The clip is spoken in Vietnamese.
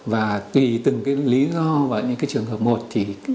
và tùy từng cái lý do và những cái trường hợp một thì